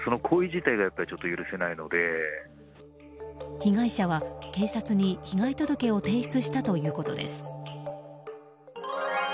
被害者は警察に被害届を提出したということです。